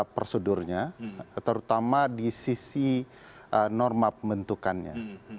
prosedurnya terutama di sisi norma pembentukannya